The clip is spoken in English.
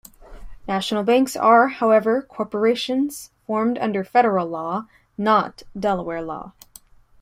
National banks are, however, corporations formed under federal law, not Delaware law.